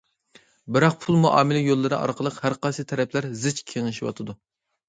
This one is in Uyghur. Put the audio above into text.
بىراق پۇل مۇئامىلە يوللىرى ئارقىلىق ھەر قايسى تەرەپلەر زىچ كېڭىشىۋاتىدۇ.